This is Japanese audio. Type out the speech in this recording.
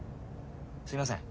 すいません。